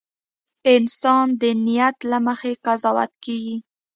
• انسان د نیت له مخې قضاوت کېږي.